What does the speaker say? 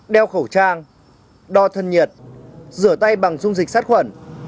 đeo khẩu trang đo thân nhiệt rửa tay bằng dung dịch sát khuẩn